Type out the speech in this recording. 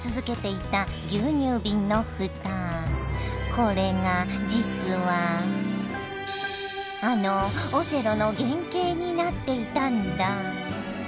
これが実はあのオセロの原型になっていたんだ！